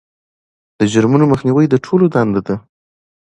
د جرمونو مخنیوی د ټولو دنده ده.